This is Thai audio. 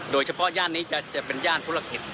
โดยเฉพาะย่านนี้จะเป็นย่านธุรกิจ